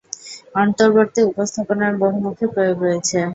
অন্তর্বর্তী উপস্থাপনার বহুমুখী প্রয়োগ রয়েছে।